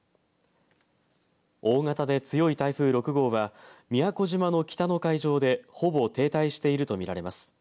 大型で強い台風６号は宮古島の北の海上でほぼ停滞していると見られます。